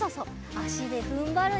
あしでふんばるよ！